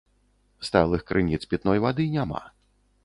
Сталых крыніц пітной вады няма.